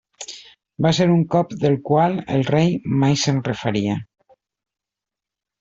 Va ser un cop del qual el rei mai se'n refaria.